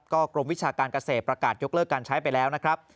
กรมวิชาการเกษตรประกาศยกเลิกการใช้ไปแล้วนะครับ